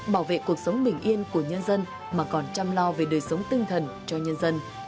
bảo vệ cuộc sống bình yên của nhân dân mà còn chăm lo về đời sống tinh thần cho nhân dân